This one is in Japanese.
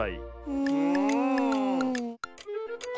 うん！